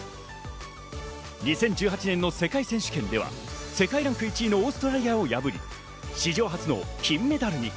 ２０１８年の世界選手権では世界ランク１位のオーストラリアを破り、史上初の金メダルに。